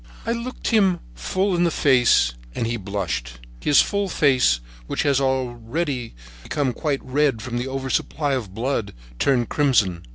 I looked him full in the face, and he blushed. His full face, which was already red from the oversupply of blood, turned crimson.